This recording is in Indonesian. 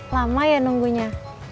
lama ya nunggunya